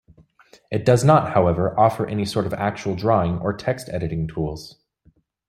It does not however, offer any sort of actual drawing or text-editing tools.